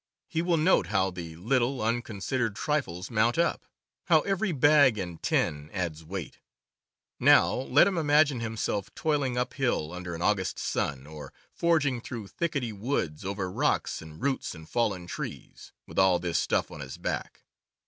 He will note how the little, unconsidered trifles mount up; how every bag and tin adds weight. Now let him imagine himself toiling up hill under an August sun, or forging through thickety woods, over rocks and roots and fallen trees, with all this stuff on his back.